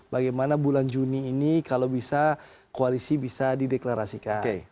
bagaimana bulan juni ini kalau bisa koalisi bisa dideklarasikan